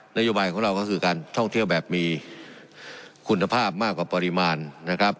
นโยบายของเราก็คือการท่องเที่ยวแบบมีคุณภาพมากกว่าปริมาณนะครับ